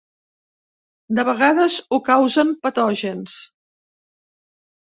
De vegades ho causen patògens.